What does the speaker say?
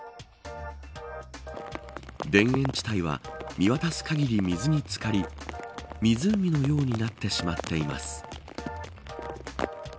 田園地帯は見渡す限り水につかり湖のようになってしまっています。